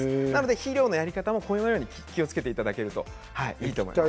肥料のやり方も気をつけていただけるといいと思います。